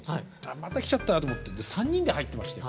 また来ちゃったと思って３人で入ってましたよ。